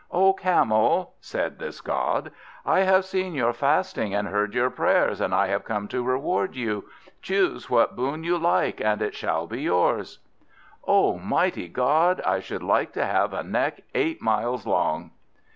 "O Camel," said this god, "I have seen your fasting and heard your prayers; and I have come to reward you. Choose what boon you like, and it shall be yours." "O mighty god, I should like to have a neck eight miles long."